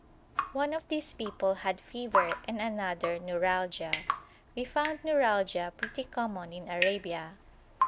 One of these people had fever and another neuralgia. We found neuralgia pretty common in Arabia.